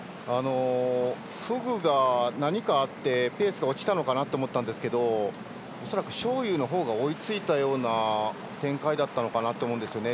フグが何かあってペースが落ちたのかなと思ったんですけど恐らく章勇のほうが追いついたのかなという展開だったのかなと思うんですよね。